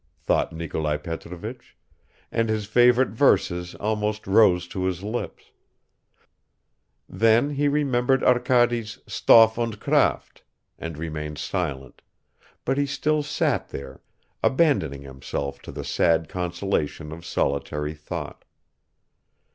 thought Nikolai Petrovich, and his favorite verses almost rose to his lips; then he remembered Arkady's Stoff und Kraft and remained silent, but he still sat there, abandoning himself to the sad consolation of solitary thought.